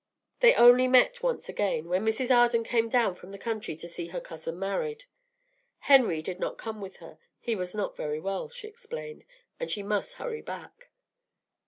They only met once again, when Mrs. Arden came down from the country to see her cousin married. Henry did not come with her; he was not very well, she explained, and she must hurry back.